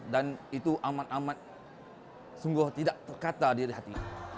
dan itu amat amat sungguh tidak terkata di hati